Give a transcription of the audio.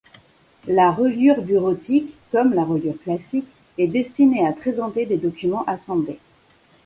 La reliure bureautique, comme la reliure classique, est destinée à présenter des documents assemblés.